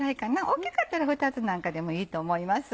大きかったら２つなんかでもいいと思います。